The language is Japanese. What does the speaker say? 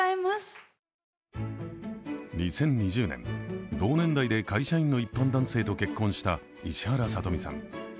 ２０２０年、同年代で会社員の一般男性と結婚した石原さとみさん。